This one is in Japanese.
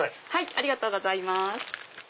ありがとうございます。